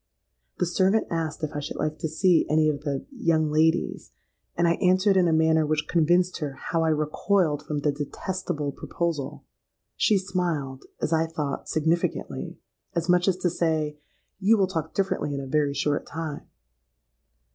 The servant asked if I should like to see any of the 'young ladies;' and I answered in a manner which convinced her how I recoiled from the detestable proposal. She smiled—as I thought, significantly,—as much as to say, 'You will talk differently in a very short time.'